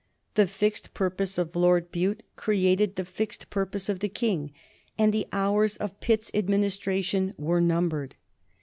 The fixed purpose of Lord Bute created the fixed purpose of the King, and the hours of Pitt's administration were numbered.